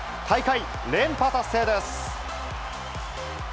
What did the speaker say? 大会連覇達成です。